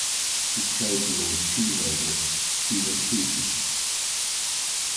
He prayed Lord Shiva with "Shiva Stuti".